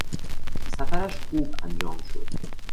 سفرش خوب انجام شد.